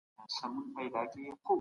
نېکمرغي به ستا په کور کي پیدا سي.